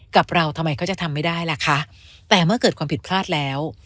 กับเราทำไมเขาจะทำไม่ได้ล่ะคะแต่เมื่อเกิดความผิดพลาดแล้ว